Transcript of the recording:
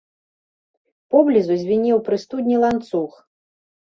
Поблізу звінеў пры студні ланцуг.